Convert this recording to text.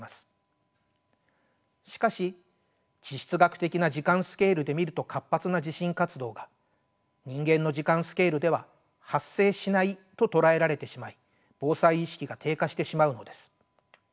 しかし地質学的な時間スケールで見ると活発な地震活動が人間の時間スケールでは「発生しない」と捉えられてしまい防災意識が低下してしまうのです。